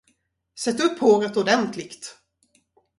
Sätt upp håret ordentligt!